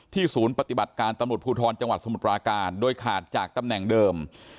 ศูนย์ปฏิบัติการตำรวจภูทรจังหวัดสมุทรปราการโดยขาดจากตำแหน่งเดิม